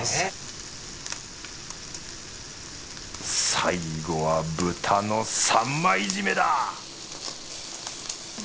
最後は豚の３枚ジメだ！